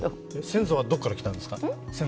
先祖はどこから来たんですか？